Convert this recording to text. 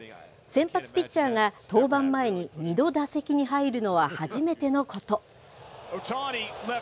先発ピッチャーが登板前に２度打席に入るのは初めてのこと。